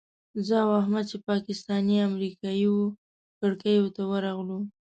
زه او احمد چې پاکستاني امریکایي وو کړکیو ته ورغلو.